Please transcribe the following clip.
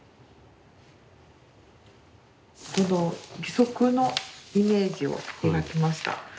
義足のイメージを描きました。